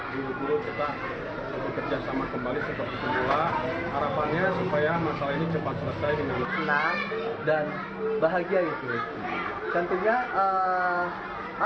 kedua dulu dulu kita bekerja sama kembali seperti sebelumnya